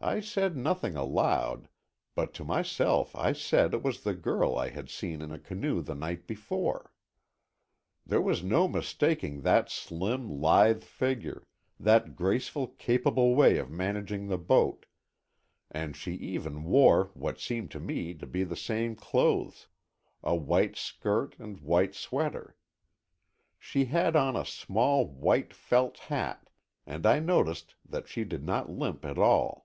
I said nothing aloud, but to myself I said it was the girl I had seen in a canoe the night before. There was no mistaking that slim, lithe figure, that graceful capable way of managing the boat, and she even wore what seemed to me to be the same clothes, a white skirt and white sweater. She had on a small white felt hat, and I noticed that she did not limp at all.